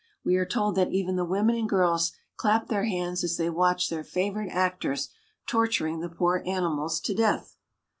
We are told that even the women and girls clap their hands as they watch their favorite actors torturing the poor animals to death.